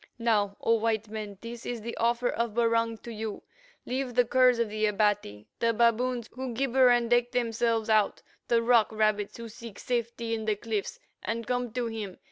"Now, O white men, this is the offer of Barung to you: Leave the curs of the Abati, the baboons who gibber and deck themselves out, the rock rabbits who seek safety in the cliffs, and come to him.